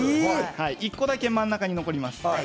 １個だけ真ん中に残ります。